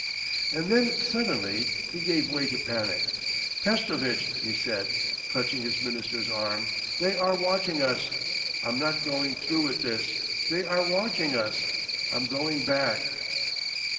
And then suddenly he gave way to panic. 'Pestovitch,' he said, clutching his minister's arm, 'they are watching us. I'm not going through with this. They are watching us. I'm going back.